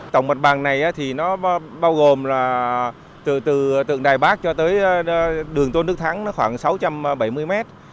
tổng bật bằng này bao gồm từ tượng đài bác cho tới đường tôn đức thắng khoảng sáu trăm bảy mươi mét